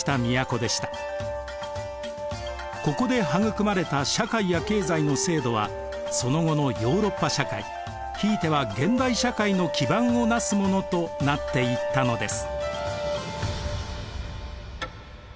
ここで育まれた社会や経済の制度はその後のヨーロッパ社会ひいては現代社会の基盤をなすものとなっていったのです。